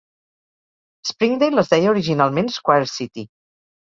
Springdale es deia originalment Squire City.